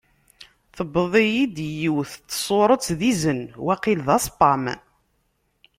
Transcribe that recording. Tewweḍ-iyi-d yiwet n tsurett d izen, waqil d aspam.